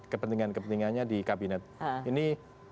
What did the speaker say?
kepentingan kepentingannya di kabinet ini